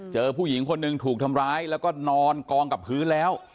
เจอผู้หญิงคนหนึ่งถูกทำร้ายแล้วก็นอนกองกับพื้นแล้ว